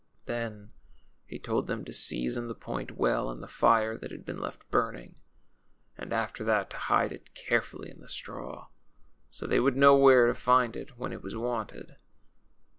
Then he told them to season the point well in the fire that had been left burning, and after that to hide it carefully in the straw, so they would know where to find it when it was wanted.